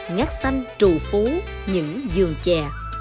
ngắt xanh trù phú những vườn chè